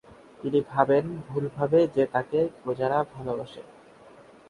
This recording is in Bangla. তিনি ভাবেন, ভুলভাবে, যে তাকে তার প্রজারা ভালোবাসে।